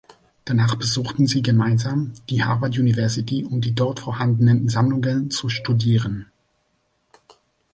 Danach besuchten sie gemeinsam die Harvard University, um die dort vorhandenen Sammlungen zu studieren.